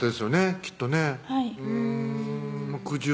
きっとね